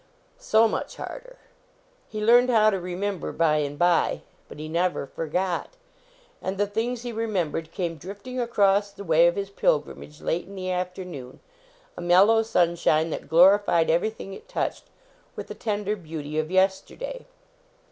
So much harder. He learned how to remember by and by. But he never forgot. And the things he remem bered came drifting across the way of his pilgrimage late in the afternoon, a mellow sunshine that glorified everything it touched with the tender beauty of yesterday.